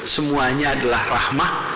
semuanya adalah rahmah